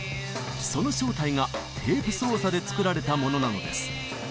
その正体がテープ操作で作られたものなのです。